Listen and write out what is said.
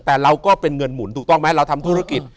แต่เราก็เป็นเงินหมุนถูกต้องไหมเราทำธุรกิจ